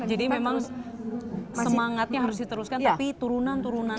jadi memang semangatnya harus diteruskan tapi turunan turunannya harus